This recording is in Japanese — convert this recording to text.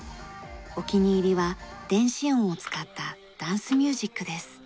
お気に入りは電子音を使ったダンスミュージックです。